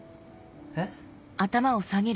えっ？